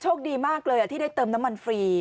ดีมากเลยที่ได้เติมน้ำมันฟรี